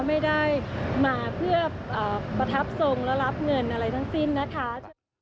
ไม่ได้มาเพื่อประทับทรงและรับเงินอะไรทั้งสิ้นนะคะ